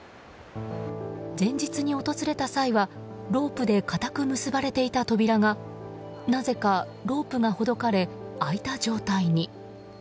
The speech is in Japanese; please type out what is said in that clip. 前日に訪れた際はロープで固く結ばれていた扉がなぜかロープがほどかれ開いた状態に。